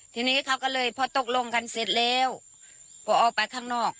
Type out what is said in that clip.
ทีนี้เขาก็เลยพอตกลงกันเสร็จแล้วก็ออกไปข้างนอก